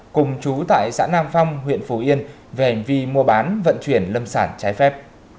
cùng chú tại xã nam phong huyện phù yên về hành vi mua bán vận chuyển lâm sản trái phép